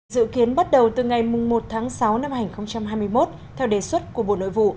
dự kiến bắt đầu từ ngày một tháng sáu năm hai nghìn hai mươi một theo đề xuất của bộ nội vụ